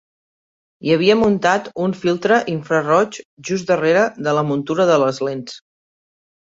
Hi havia muntat un filtre infraroig just darrere de la muntura de les lents.